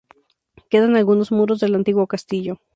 Quedan algunos muros del antiguo castillo.